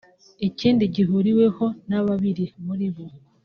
Ikindi gihuriweho na babiri muri bo